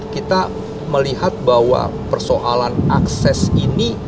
kita melihat bahwa persoalan akses ini